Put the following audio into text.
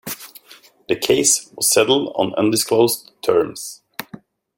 The case was settled on undisclosed terms.